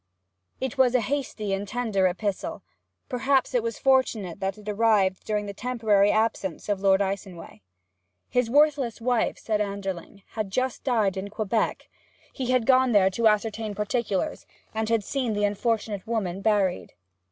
It was a hasty and tender epistle, and perhaps it was fortunate that it arrived during the temporary absence of Lord Icenway. His worthless wife, said Anderling, had just died in Quebec; he had gone there to ascertain particulars, and had seen the unfortunate woman buried.